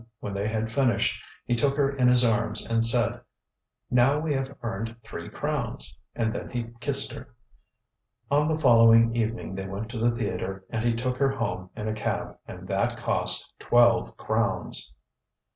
When they had finished, he took her in his arms and said: ŌĆ£Now we have earned three crowns, ŌĆØ and then he kissed her. On the following evening they went to the theatre and he took her home in a cab, and that cost twelve crowns.